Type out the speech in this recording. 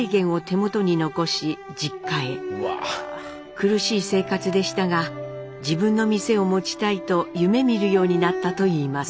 苦しい生活でしたが自分の店を持ちたいと夢みるようになったといいます。